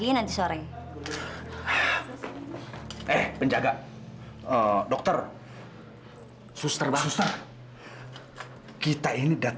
obang obang pencuri air ke aurait